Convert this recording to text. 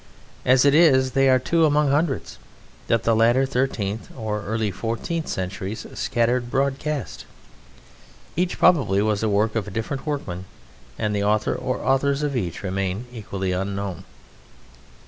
As it is they are two among hundreds that the latter thirteenth and early fourteenth centuries scattered broadcast; each probably was the work of a different workman, and the author or authors of each remain equally unknown.